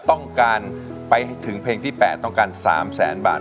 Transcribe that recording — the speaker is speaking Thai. ต้องการไปถึงเพลงที่๘ต้องการ๓๐๐๐๐๐บาท